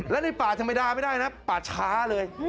และในป่าธรรมดาไม่ได้นะป่าช้าเลย